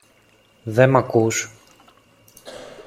Δε μ’ ακούς